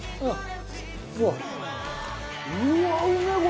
ああ！